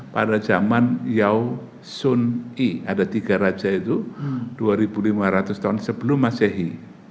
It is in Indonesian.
pada zaman yaw sun i ada tiga raja itu dua lima ratus tahun sebelum masehi